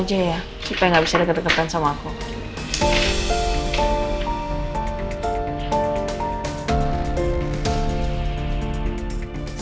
saya sebenernya pengen denger juga alasan dari al